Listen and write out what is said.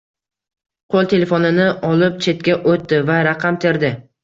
Qo`l telefonini olib chetga o`tdi va raqam terdi